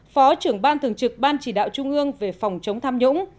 phó trưởng ban thường trực ban chỉ đạo trung ương về phòng chống tham nhũng